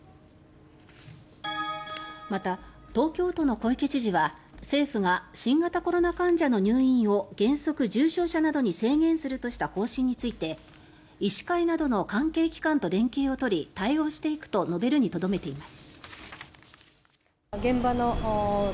また、東京都の小池知事は政府が新型コロナ患者の入院を原則重症者などに制限するとした方針について医師会などの関係機関と連携を取り対応していくと述べるにとどめています。